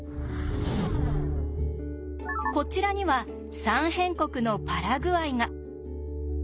こちらには「三辺国」のパラグアイが。